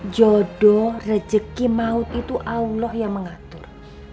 jodoh rejeki maut itu allah yang mengatur